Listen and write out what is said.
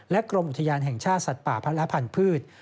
และกรมอุทยานแห่งชาติสัตว์ป่าพันธุ์และพันธุ์พืช